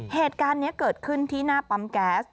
เหตุการณ์นี้เกิดขึ้นที่หน้าปั๊มแก๊ส